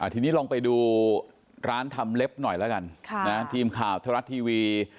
ทีนี้ลองไปดูร้านทำเล็บหน่อยแล้วกันทีมข่าวไทยรัฐทีวี